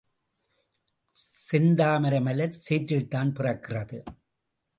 செந்தாமரை மலர் சேற்றில்தான் பிறக்கிறது.